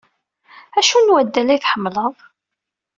Acu n waddal ay tḥemmleḍ?